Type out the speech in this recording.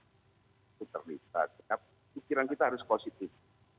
itu terlibat pikiran kita harus positif